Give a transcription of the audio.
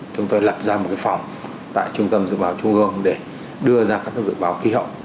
chúng tôi lập ra một phòng tại trung tâm dự báo trung ương để đưa ra các dự báo khí hậu